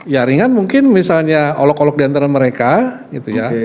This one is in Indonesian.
ya ringan mungkin misalnya olok olok diantara mereka gitu ya